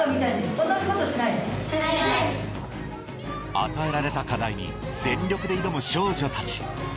与えられた課題に全力で挑む少女たち